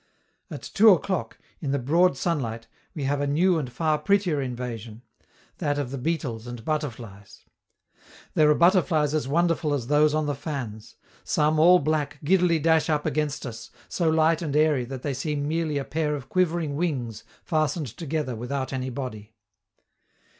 At two o'clock, in the broad sunlight, we have a new and far prettier invasion: that of the beetles and butterflies. There are butterflies as wonderful as those on the fans. Some, all black, giddily dash up against us, so light and airy that they seem merely a pair of quivering wings fastened together without any body.